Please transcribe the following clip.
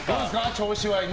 調子は。